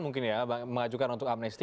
mungkin ya mengajukan untuk amnesti